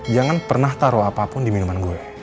jangan pernah taruh apapun di minuman gula